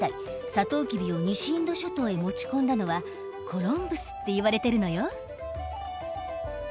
サトウキビを西インド諸島へ持ち込んだのはコロンブスって言われてるのよ。